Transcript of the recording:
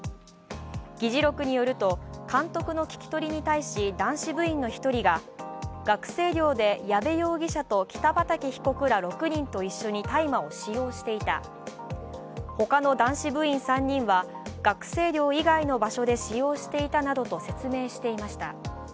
議事録によると、監督の聞き取りに対し男子部員の１人が学生寮で矢部容疑者と北畠被告ら６人と大麻を使用していた、ほかの男子部員３人は学生寮以外の場所で使用していたなどと説明していました。